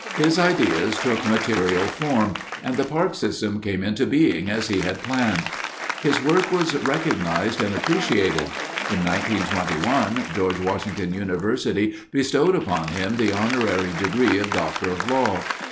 His ideas took material form, and the park system came into being as he had planned. His work was recognized and appreciated. In 1921 George Washington University bestowed upon him the honorary degree of Doctor of Law.